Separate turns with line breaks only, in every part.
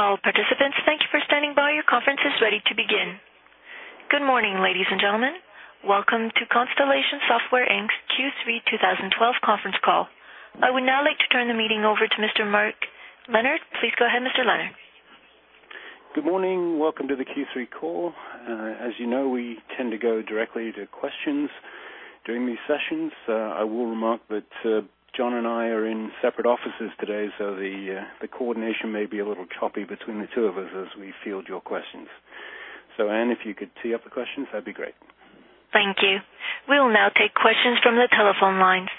Good morning, ladies and gentlemen. Welcome to Constellation Software Inc.'s Q3 2012 conference call. I would now like to turn the meeting over to Mr. Mark Leonard. Please go ahead, Mr. Leonard.
Good morning. Welcome to the Q3 call. As you know, we tend to go directly to questions during these sessions. I will remark that John and I are in separate offices today, so the coordination may be a little choppy between the two of us as we field your questions. Anne, if you could tee up the questions, that'd be great.
Thank you. We'll now take questions from the telephone lines.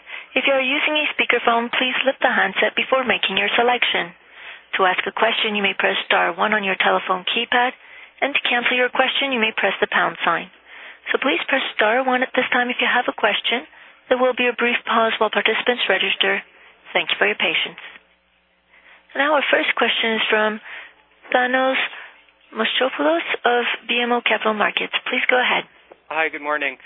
Thank you for your patience. Our first question is from Thanos Moschopoulos of BMO Capital Markets. Please go ahead.
Hi. Good morning.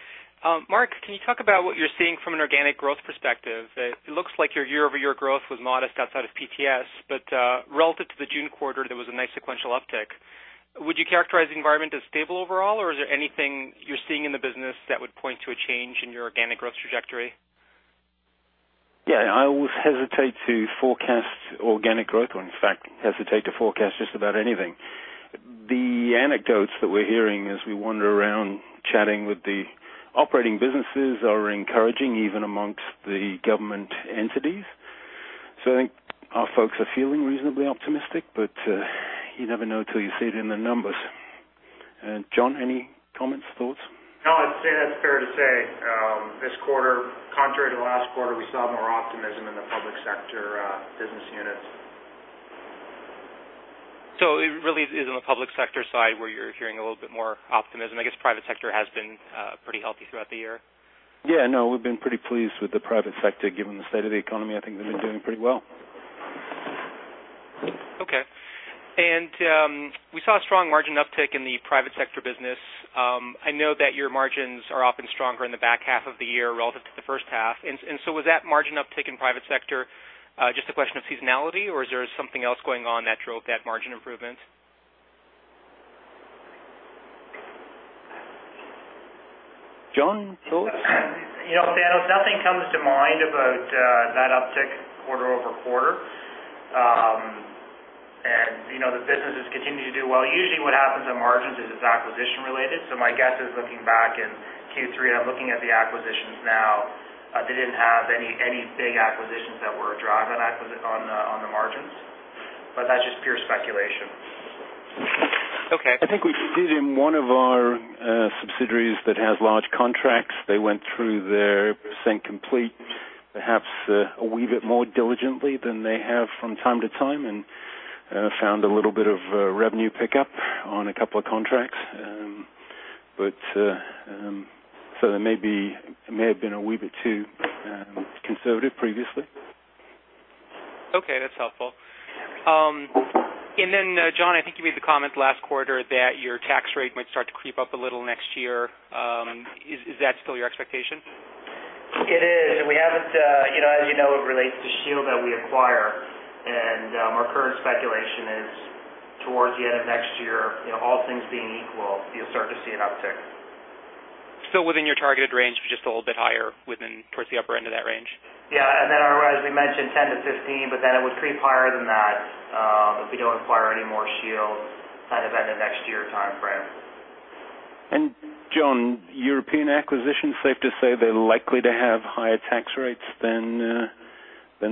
Mark, can you talk about what you're seeing from an organic growth perspective? It looks like your year-over-year growth was modest outside of PTS, but relative to the June quarter, there was a nice sequential uptick. Would you characterize the environment as stable overall, or is there anything you're seeing in the business that would point to a change in your organic growth trajectory?
Yeah, I always hesitate to forecast organic growth or in fact, hesitate to forecast just about anything. The anecdotes that we're hearing as we wander around chatting with the operating businesses are encouraging, even amongst the government entities. I think our folks are feeling reasonably optimistic, but you never know till you see it in the numbers. John, any comments, thoughts?
No, I'd say that's fair to say. This quarter, contrary to last quarter, we saw more optimism in the public sector business units.
It really is on the public sector side where you're hearing a little bit more optimism. I guess private sector has been pretty healthy throughout the year.
Yeah, no, we've been pretty pleased with the private sector. Given the state of the economy, I think they've been doing pretty well.
Okay. We saw a strong margin uptick in the private sector business. I know that your margins are often stronger in the back half of the year relative to the first half. Was that margin uptick in private sector just a question of seasonality, or is there something else going on that drove that margin improvement?
John, thoughts?
You know, Thanos, nothing comes to mind about that uptick quarter-over-quarter. You know, the businesses continue to do well. Usually what happens on margins is it's acquisition related. My guess is looking back in Q3, and I'm looking at the acquisitions now, they didn't have any big acquisitions that were a drive on the, on the margins, that's just pure speculation.
Okay.
I think we did in one of our subsidiaries that has large contracts, they went through their percent complete, perhaps a wee bit more diligently than they have from time to time, and found a little bit of revenue pickup on [a couple of] contracts. There may have been a wee bit too conservative previously.
Okay, that's helpful. John, I think you made the comment last quarter that your tax rate might start to creep up a little next year. Is that still your expectation?
It is. We haven't, you know, as you know, it relates to shield that we acquire, and, our current speculation is towards the end of next year, you know, all things being equal, you'll start to see an uptick.
Still within your targeted range, but just a little bit higher within, towards the upper end of that range?
Yeah. Otherwise we mentioned 10 to 15, but then it would creep higher than that, if we don't acquire any more shields kind of in the next year timeframe.
John, European acquisitions, safe to say they're likely to have higher tax rates than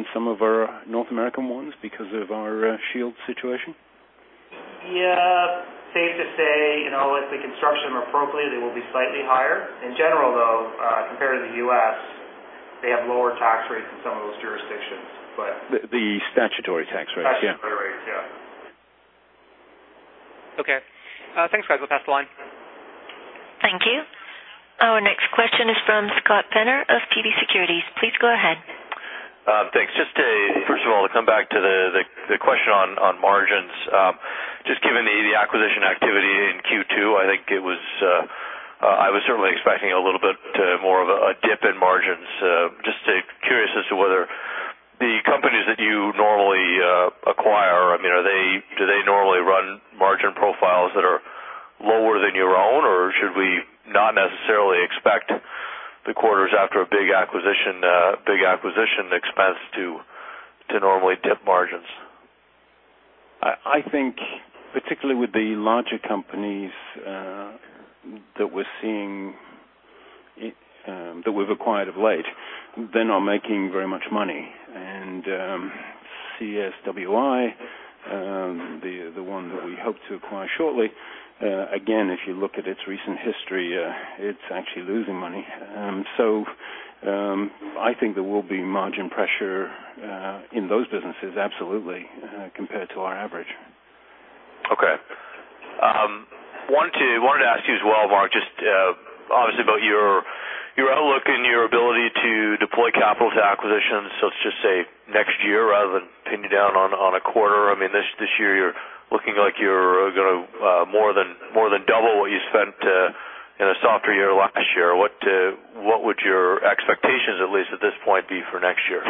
some of our North American ones because of our shield situation?
Yeah. Safe to say, you know, if [Constellation] appropriately, they will be slightly higher. In general, though, compared to the U.S., they have lower tax rates in some of those jurisdictions.
The statutory tax rates. Yeah.
Statutory rates. Yeah.
Okay. thanks, guys. We'll pass the line.
Thank you. Our next question is from Scott Penner of TD Securities. Please go ahead.
Thanks. First of all, to come back to the question on margins. Just given the acquisition activity in Q2, I think it was, I was certainly expecting a little bit more of a dip in margins. Just curious as to whether the companies that you normally acquire, I mean, are they do they normally run margin profiles that are lower than your own, or should we not necessarily expect the quarters after a big acquisition, big acquisition expense to normally dip margins?
I think particularly with the larger companies, that we're seeing, that we've acquired of late, they're not making very much money. CSWI, the one that we hope to acquire shortly, again, if you look at its recent history, it's actually losing money. I think there will be margin pressure in those businesses, absolutely, compared to our average.
Okay. wanted to ask you as well, Mark, just obviously about your outlook and your ability to deploy capital to acquisitions. Let's just say next year rather than pin you down on a quarter. I mean, this year you're looking like you're gonna more than double what you spent In a softer year last year, what would your expectations, at least at this point, be for next year?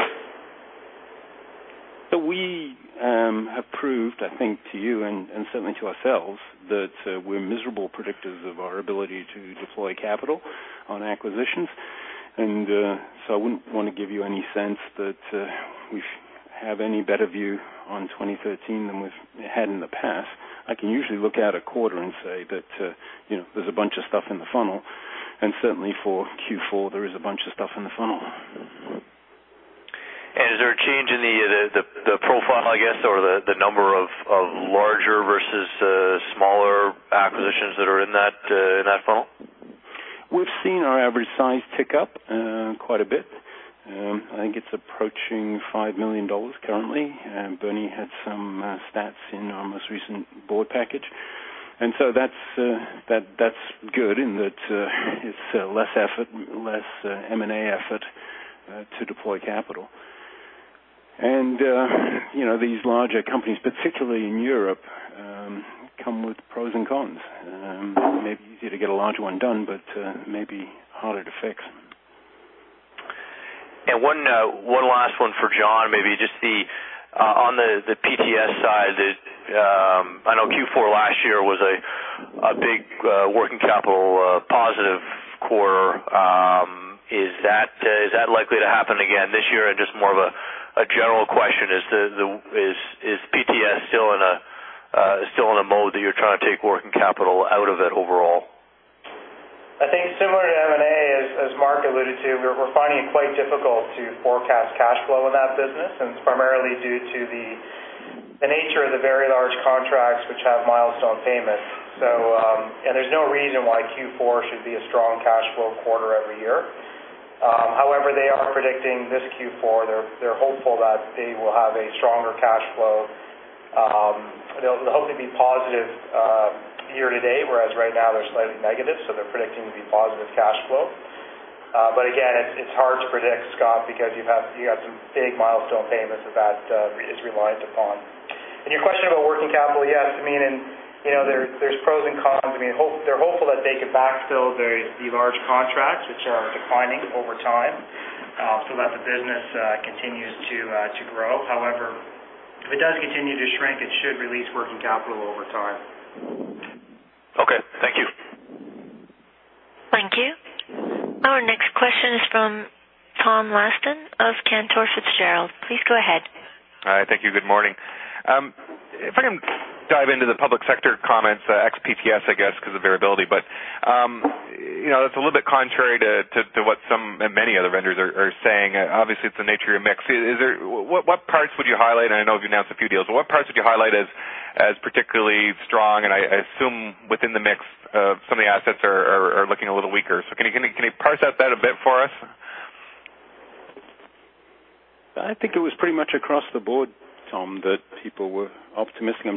We have proved, I think, to you and certainly to ourselves that we're miserable predictors of our ability to deploy capital on acquisitions. I wouldn't want to give you any sense that we have any better view on 2013 than we've had in the past. I can usually look at a quarter and say that, you know, there's a bunch of stuff in the funnel, and certainly for Q4, there is a bunch of stuff in the funnel.
Is there a change in the profile, I guess, or the number of larger versus smaller acquisitions that are in that funnel?
We've seen our average size tick up quite a bit. I think it's approaching 5 million dollars currently. Bernie had some stats in our most recent board package. That's good in that it's less effort, less M&A effort to deploy capital. You know, these larger companies, particularly in Europe, come with pros and cons. Maybe easier to get a large 1 done, but maybe harder to fix.
One last one for John. Maybe just the on the PTS side, I know Q4 last year was a big working capital positive quarter. Is that likely to happen again this year? Just more of a general question, is PTS still in a mode that you're trying to take working capital out of it overall?
I think similar to M&A, as Mark alluded to, we're finding it quite difficult to forecast cash flow in that business, and it's primarily due to the nature of the very large contracts which have milestone payments. There's no reason why Q4 should be a strong cash flow quarter every year. However, they are predicting this Q4, they're hopeful that they will have a stronger cash flow. They'll hopefully be positive year to date, whereas right now they're slightly negative, so they're predicting to be positive cash flow. Again, it's hard to predict, Scott, because you have some big milestone payments that is reliant upon. Your question about working capital, yes. I mean, you know, there's pros and cons. I mean, they're hopeful that they can backfill the large contracts which are declining over time, so that the business continues to grow. However, if it does continue to shrink, it should release working capital over time.
Okay. Thank you.
Thank you. Our next question is from Tom Liston of Cantor Fitzgerald. Please go ahead.
All right. Thank you. Good morning. If I can dive into the public sector comments, ex-PTS, I guess, because of variability. You know, that's a little bit contrary to what some and many other vendors are saying. Obviously, it's the nature of your mix. What parts would you highlight? I know you've announced a few deals, but what parts would you highlight as particularly strong? I assume within the mix, some of the assets are looking a little weaker. Can you parse out that a bit for us?
I think it was pretty much across the board, Tom, that people were optimistic.
Yeah,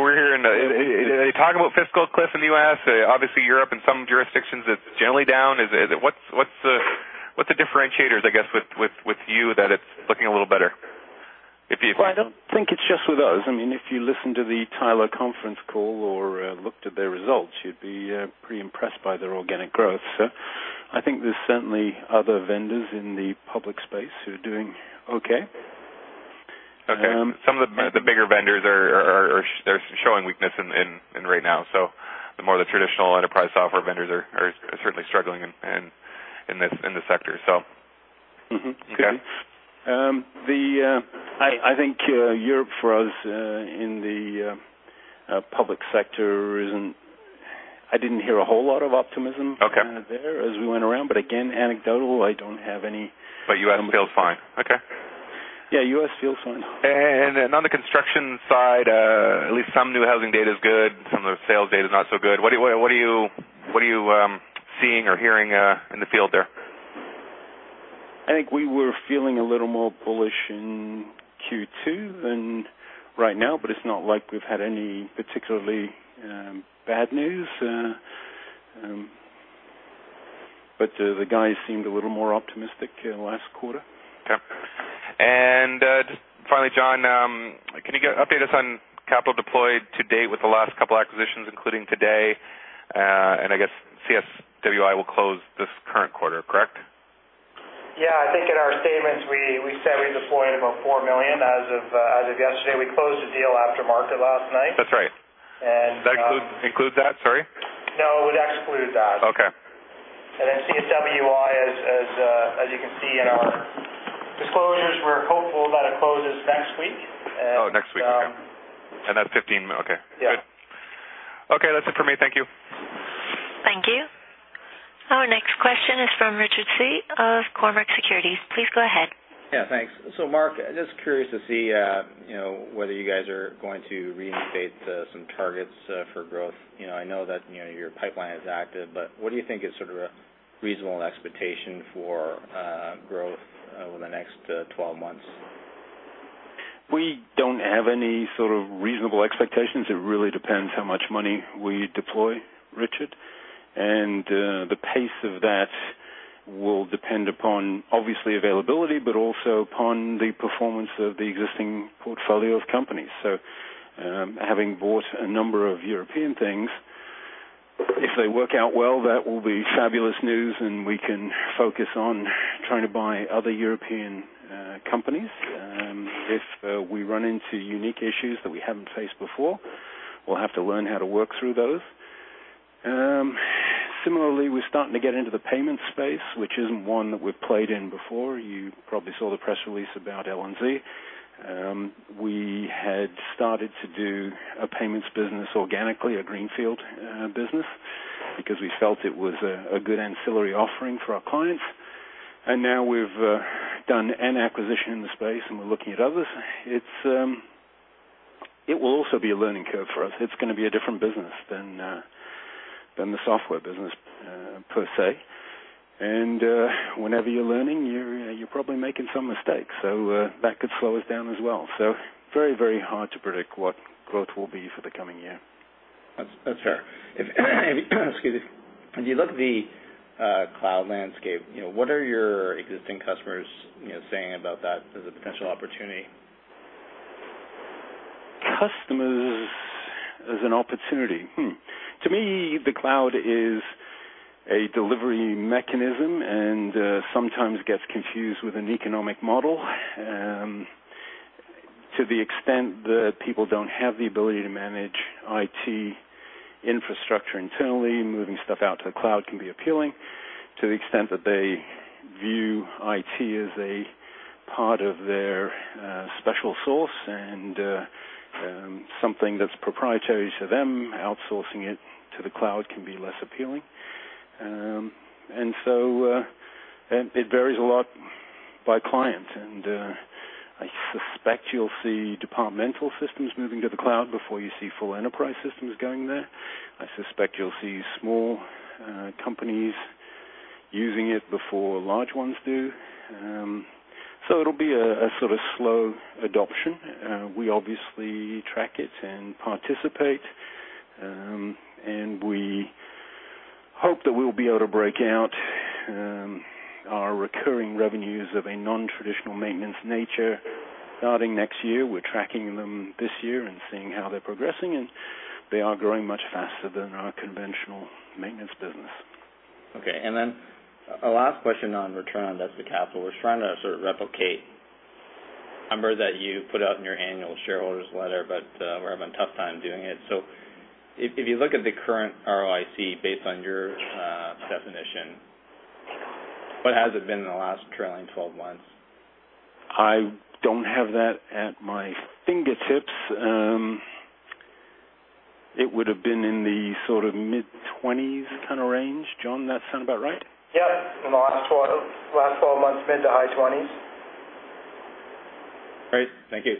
we're hearing, you talk about fiscal cliff in the U.S. Obviously, Europe and some jurisdictions, it's generally down. Is it What's the differentiators, I guess, with you that it's looking a little better if you?
I don't think it's just with us. I mean, if you listen to the Tyler conference call or, looked at their results, you'd be pretty impressed by their organic growth. I think there's certainly other vendors in the public space who are doing okay.
Okay. Some of the bigger vendors are, they're showing weakness in right now. The more the traditional enterprise software vendors are certainly struggling in this sector. Okay.
The I think Europe for us in the public sector I didn't hear a whole lot of optimism.
Okay.
there as we went around. again, anecdotal, I don't have any.
U.S. feels fine. Okay.
Yeah, U.S. feels fine.
On the construction side, at least some new housing data is good, some of the sales data is not so good. What are you seeing or hearing in the field there?
I think we were feeling a little more bullish in Q2 than right now, but it's not like we've had any particularly bad news. The guys seemed a little more optimistic last quarter.
Okay. Just finally, John, can you update us on capital deployed to date with the last couple acquisitions, including today? I guess CSWI will close this current quarter, correct?
Yeah. I think in our statements, we said we deployed about 4 million as of yesterday. We closed the deal after market last night.
That's right.
And, uh-
Does that include that? Sorry.
No, it would exclude that.
Okay.
CSWI as you can see in our disclosures, we're hopeful that it closes next week.
Oh, next week. Okay. That's 15 million. Okay.
Yeah.
Good. Okay, that's it for me. Thank you.
Thank you. Our next question is from Richard Tse of Cormark Securities. Please go ahead.
Yeah, thanks. Mark, just curious to see, you know, whether you guys are going to reinstate, some targets, for growth. You know, I know that, you know, your pipeline is active, but what do you think is sort of a reasonable expectation for, growth, over the next, 12 months?
We don't have any sort of reasonable expectations. It really depends how much money we deploy, Richard. The pace of that will depend upon obviously availability, but also upon the performance of the existing portfolio of companies. Having bought a number of European things, if they work out well, that will be fabulous news, and we can focus on trying to buy other European companies. If we run into unique issues that we haven't faced before, we'll have to learn how to work through those. Similarly, we're starting to get into the payment space, which isn't one that we've played in before. You probably saw the press release about L&Z. We had started to do a payments business organically, a greenfield business, because we felt it was a good ancillary offering for our clients. Now we've done an acquisition in the space, and we're looking at others. It will also be a learning curve for us. It's gonna be a different business than the software business per se. Whenever you're learning, you're probably making some mistakes, so that could slow us down as well. Very, very hard to predict what growth will be for the coming year.
That's fair. Excuse me. If you look at the cloud landscape, you know, what are your existing customers, you know, saying about that as a potential opportunity?
Customers as an opportunity. To me, the cloud is a delivery mechanism and sometimes gets confused with an economic model. To the extent that people don't have the ability to manage IT infrastructure internally, moving stuff out to the cloud can be appealing. To the extent that they view IT as a part of their special source and something that's proprietary to them, outsourcing it to the cloud can be less appealing. It varies a lot by client. I suspect you'll see departmental systems moving to the cloud before you see full enterprise systems going there. I suspect you'll see small companies using it before large ones do. It'll be a sort of slow adoption. We obviously track it and participate. We hope that we'll be able to break out our recurring revenues of a non-traditional maintenance nature starting next year. We're tracking them this year and seeing how they're progressing. They are growing much faster than our conventional maintenance business.
A last question on return on invested capital. We're trying to sort of replicate a number that you put out in your annual shareholders letter, but we're having a tough time doing it. If you look at the current ROIC based on your definition, what has it been in the last trailing 12 months?
I don't have that at my fingertips. It would've been in the sort of mid-twenties kinda range. John, that sound about right?
Yeah. In the last 12 months, mid to high twenties.
Great. Thank you.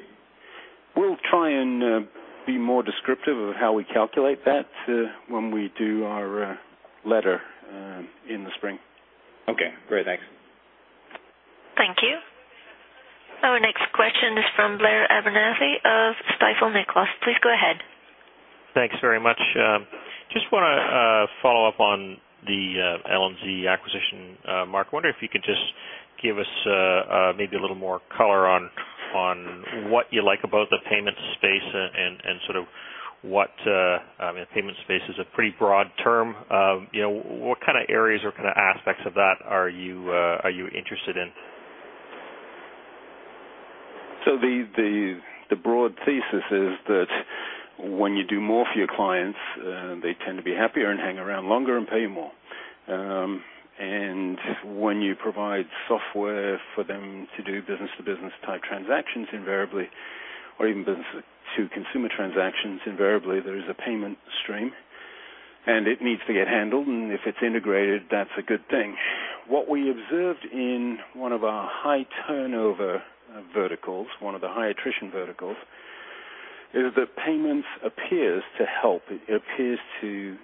We'll try and be more descriptive of how we calculate that when we do our letter in the spring.
Okay. Great. Thanks.
Thank you. Our next question is from Blair Abernethy of Stifel Nicolaus. Please go ahead.
Thanks very much. Just wanna follow up on the L&Z acquisition, Mark. Wonder if you could just give us maybe a little more color on what you like about the payments space and sort of what, I mean, the payments space is a pretty broad term. You know, what kinda areas or kinda aspects of that are you interested in?
The, the broad thesis is that when you do more for your clients, they tend to be happier and hang around longer and pay you more. When you provide software for them to do business-to-business type transactions, invariably, or even business-to-consumer transactions, invariably, there is a payment stream, and it needs to get handled, and if it's integrated, that's a good thing. What we observed in one of our high turnover verticals, one of the high attrition verticals, is that payments appears to help. It appears to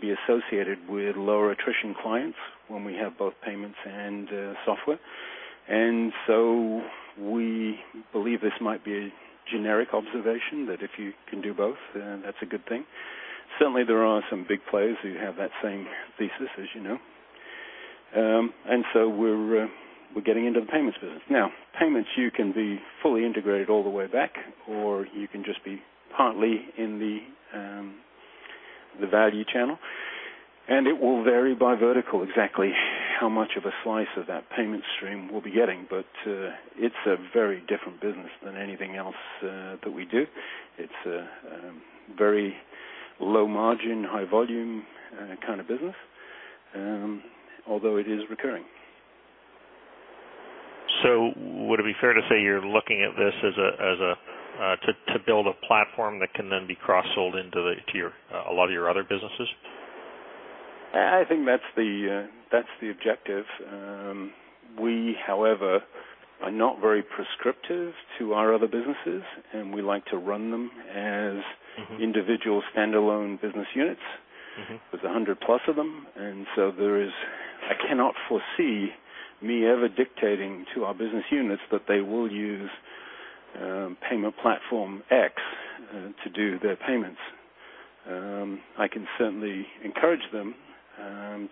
be associated with lower attrition clients when we have both payments and software. We believe this might be a generic observation that if you can do both, that's a good thing. Certainly, there are some big players who have that same thesis, as you know. We're getting into the payments business. Now, payments, you can be fully integrated all the way back, or you can just be partly in the value channel, and it will vary by vertical exactly how much of a slice of that payment stream we'll be getting. It's a very different business than anything else that we do. It's a very low margin, high volume kind of business, although it is recurring.
Would it be fair to say you're looking at this as a, to build a platform that can then be cross-sold to your, a lot of your other businesses?
I think that's the, that's the objective. We, however, are not very prescriptive to our other businesses, and we like to run them as- individual standalone business units. There's 100+ of them. I cannot foresee me ever dictating to our business units that they will use payment Platform X to do their payments. I can certainly encourage them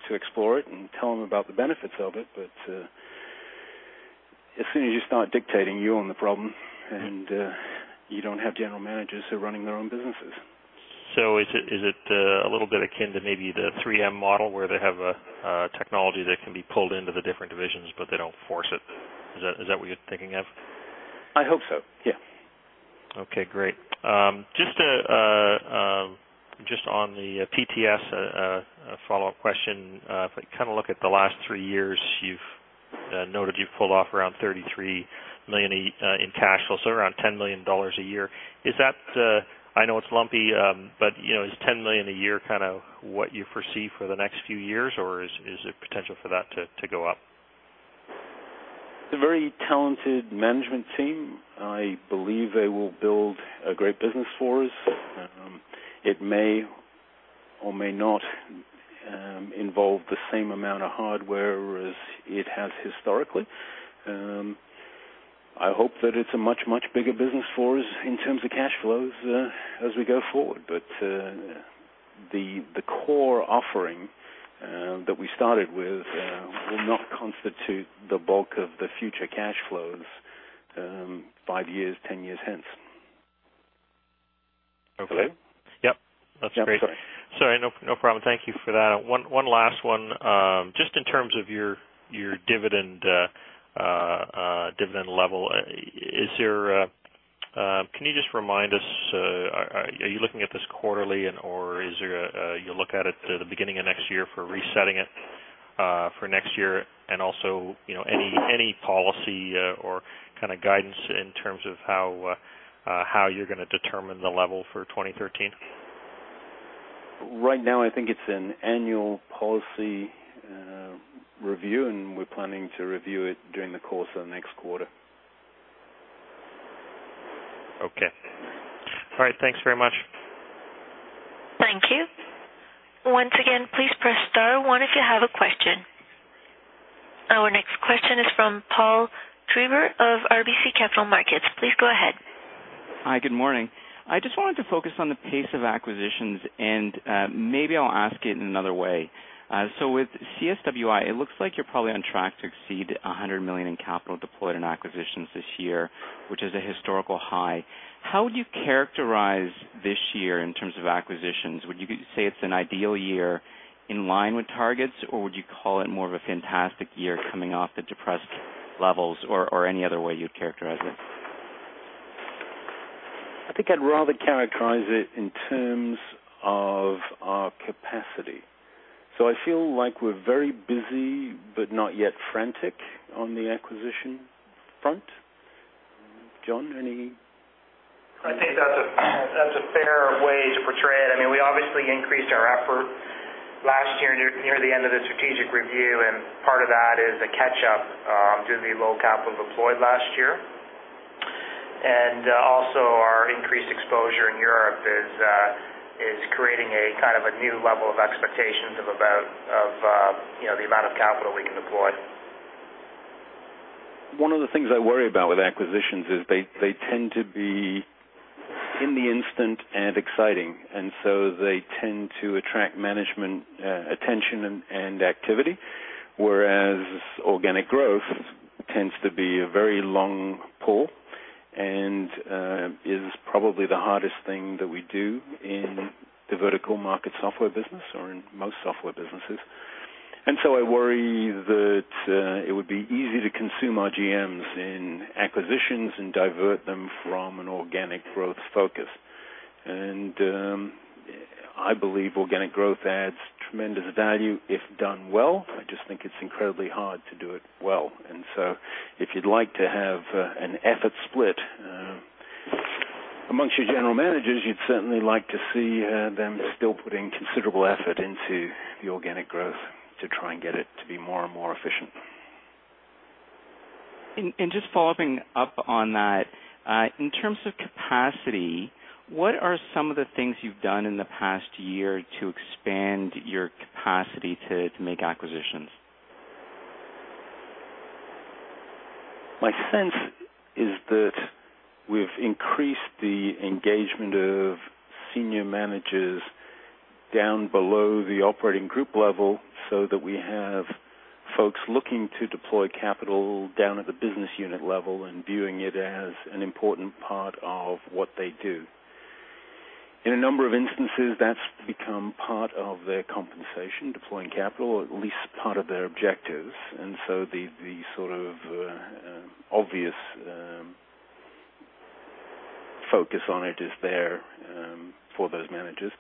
to explore it and tell them about the benefits of it. As soon as you start dictating, you own the problem. You don't have General Managers who are running their own businesses.
Is it a little bit akin to maybe the 3M model where they have a technology that can be pulled into the different divisions, but they don't force it? Is that what you're thinking of?
I hope so. Yeah.
Okay, great. Just on the PTS, a follow-up question. If I kinda look at the last three years, you've noted you've pulled off around 33 million in cash flows, so around 10 million dollars a year. Is that, I know it's lumpy, but, you know, is 10 million a year kinda what you foresee for the next few years, or is there potential for that to go up?
It's a very talented management team. I believe they will build a great business for us. It may or may not involve the same amount of hardware as it has historically. I hope that it's a much, much bigger business for us in terms of cash flows as we go forward. The core offering that we started with will not constitute the bulk of the future cash flows, five years, 10 years hence.
Okay. Yep. That's great.
Yeah, sorry.
Sorry, no problem. Thank you for that. One last one. Just in terms of your dividend level, is there, can you just remind us, are you looking at this quarterly, or is there a You look at it at the beginning of next year for resetting it for next year? Also, you know, any policy, or kinda guidance in terms of how you're gonna determine the level for 2013?
Right now, I think it's an annual policy, review. We're planning to review it during the course of next quarter.
Okay. All right. Thanks very much.
Thank you. Once again, please press star one if you have a question. Our next question is from Paul Treiber of RBC Capital Markets. Please go ahead.
Hi. Good morning. I just wanted to focus on the pace of acquisitions, and maybe I'll ask it in another way. With CSWI, it looks like you're probably on track to exceed 100 million in capital deployed in acquisitions this year, which is a historical high. How would you characterize this year in terms of acquisitions? Would you say it's an ideal year in line with targets, or would you call it more of a fantastic year coming off the depressed levels or any other way you'd characterize it?
I think I'd rather characterize it in terms of our capacity. I feel like we're very busy but not yet frantic on the acquisition front. John, any-
I think that's a, that's a fair way to portray it. I mean, we obviously increased our effort last year near the end of the strategic review, and part of that is a catch-up due to the low capital deployed last year. Also our increased exposure in Europe is creating a kind of a new level of expectations of about, you know, the amount of capital we can deploy.
One of the things I worry about with acquisitions is they tend to be in the instant and exciting. They tend to attract management attention and activity, whereas organic growth tends to be a very long pull and is probably the hardest thing that we do in the vertical market software business or in most software businesses. I worry that it would be easy to consume our GMs in acquisitions and divert them from an organic growth focus. I believe organic growth adds tremendous value if done well. I just think it's incredibly hard to do it well. If you'd like to have an effort split amongst your General Managers, you'd certainly like to see them still putting considerable effort into the organic growth to try and get it to be more and more efficient.
Just following up on that, in terms of capacity, what are some of the things you've done in the past year to expand your capacity to make acquisitions?
My sense is that we've increased the engagement of senior managers down below the operating group level so that we have folks looking to deploy capital down at the business unit level and viewing it as an important part of what they do. In a number of instances, that's become part of their compensation, deploying capital, or at least part of their objectives. The, the sort of obvious focus on it is there for those managers.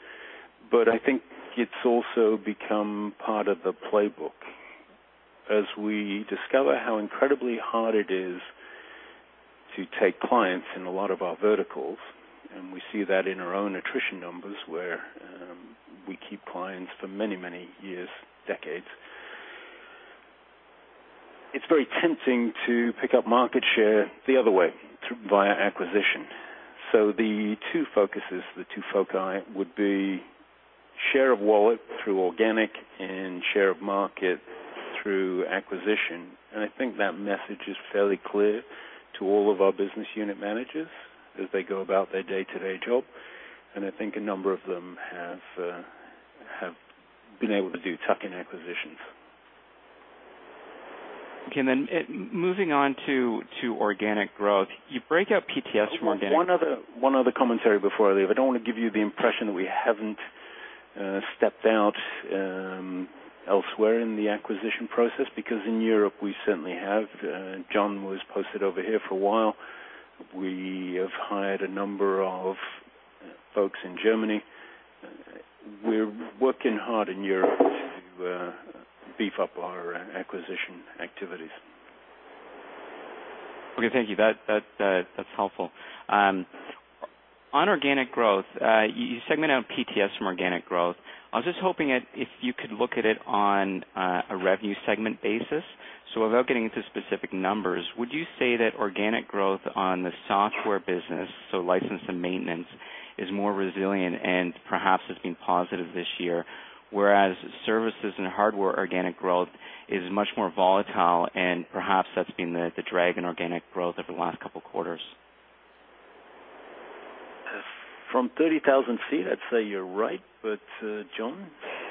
I think it's also become part of the playbook. As we discover how incredibly hard it is to take clients in a lot of our verticals, and we see that in our own attrition numbers, where we keep clients for many, many years, decades. It's very tempting to pick up market share the other way, through via acquisition. The two focuses, the two foci would be. Share of wallet through organic and share of market through acquisition. I think that message is fairly clear to all of our business unit managers as they go about their day-to-day job. I think a number of them have been able to do tuck-in acquisitions.
Okay. Moving on to organic growth. You break out PTS from organic-
One other commentary before I leave. I don't want to give you the impression that we haven't stepped out elsewhere in the acquisition process. In Europe, we certainly have. John was posted over here for a while. We have hired a number of folks in Germany. We're working hard in Europe to beef up our acquisition activities.
Okay. Thank you. That's helpful. On organic growth, you segment out PTS from organic growth. I was just hoping if you could look at it on a revenue segment basis. Without getting into specific numbers, would you say that organic growth on the software business, so license and maintenance, is more resilient and perhaps has been positive this year, whereas services and hardware organic growth is much more volatile, and perhaps that's been the drag in organic growth over the last couple quarters?
From 30,000 ft, I'd say you're right. John,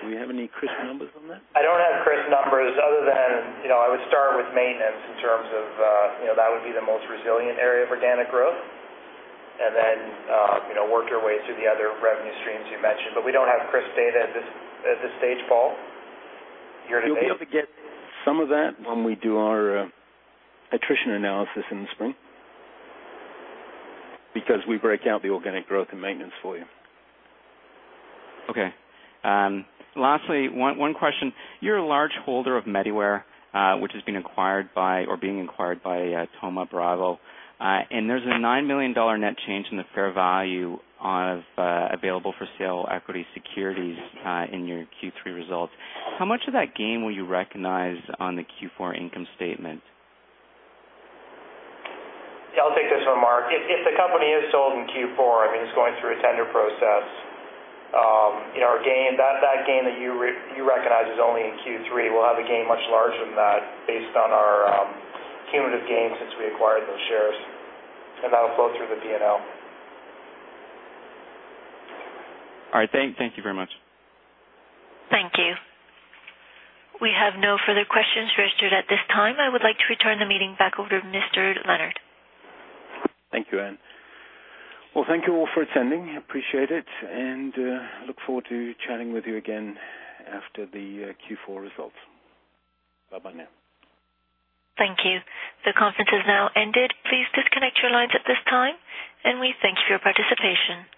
do we have any crisp numbers on that?
I don't have crisp numbers other than, you know, I would start with maintenance in terms of, you know, that would be the most resilient area of organic growth. Work your way through the other revenue streams you mentioned. We don't have crisp data at this stage, Paul. Year-to-date.
You'll be able to get some of that when we do our attrition analysis in the spring. We break out the organic growth and maintenance for you.
Okay. Lastly, one question. You're a large holder of Mediware, which has been acquired by or being acquired by Thoma Bravo. There's a 9 million dollar net change in the fair value of available for sale equity securities in your Q3 results. How much of that gain will you recognize on the Q4 income statement?
Yeah, I'll take this one, Mark. If the company is sold in Q4, I mean, it's going through a tender process. You know, our gain, that gain that you recognize is only in Q3. We'll have a gain much larger than that based on our cumulative gain since we acquired those shares. That'll flow through the P&L.
All right. Thank you very much.
Thank you. We have no further questions registered at this time. I would like to return the meeting back over to Mr. Leonard.
Thank you, Anne. Well, thank you all for attending. Appreciate it. Look forward to chatting with you again after the Q4 results. Bye-bye now.
Thank you. The conference has now ended. Please disconnect your lines at this time, and we thank you for your participation.